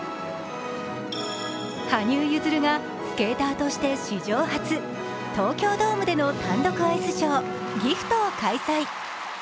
羽生結弦がスケーターとして史上初、東京ドームでの単独アイスショー「ＧＩＦＴ」を開催。